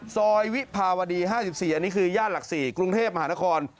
ซอยวิภาวดีห้าสิบสี่อันนี้คือย่านหลักสี่กรุงเทพมหานคร